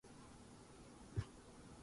あああああああああああああああああああ